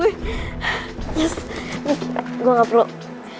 makasih ya udah nama hari ini